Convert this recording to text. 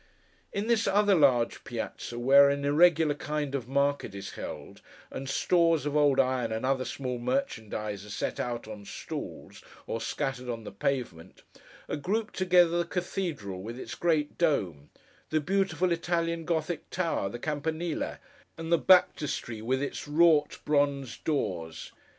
In this other large Piazza, where an irregular kind of market is held, and stores of old iron and other small merchandise are set out on stalls, or scattered on the pavement, are grouped together, the Cathedral with its great Dome, the beautiful Italian Gothic Tower the Campanile, and the Baptistery with its wrought bronze doors.